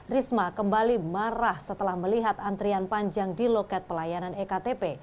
risma kembali marah setelah melihat antrian panjang di loket pelayanan ektp